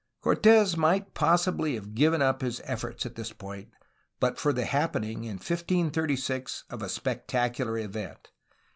Cortes might possibly have given up his efforts at this point, but for the happening, in 1536, of a spectacular event.